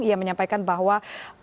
yang menyampaikan bahwa